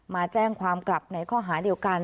มาแจ้งความกลับในข้อหาเดียวกัน